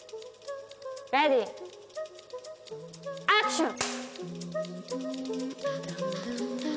レディーアクション！